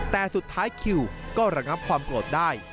แต่สุดท้ายคิวก็ระงับความโกรธได้